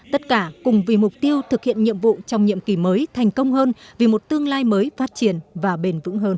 tất cả cùng vì mục tiêu thực hiện nhiệm vụ trong nhiệm kỳ mới thành công hơn vì một tương lai mới phát triển và bền vững hơn